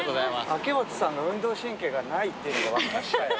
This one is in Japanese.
秋元さんが運動神経がないっていうのが分かったよ。